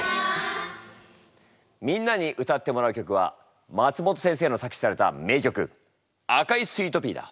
みんなに歌ってもらう曲は松本先生の作詞された名曲「赤いスイートピー」だ。